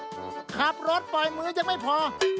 สีสันข่าวชาวไทยรัฐมาแล้วครับ